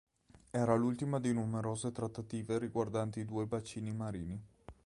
Era l'ultima di numerose trattative riguardanti i due bacini marini.